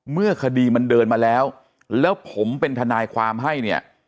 เมื่อคดีมันเดินมาแล้วแล้วผมเป็นทนายความให้เนี่ย